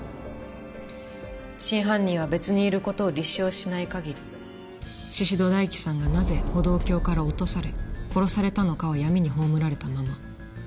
真犯人は別にいる事を立証しない限り宍戸大樹さんがなぜ歩道橋から落とされ殺されたのかは闇に葬られたまま。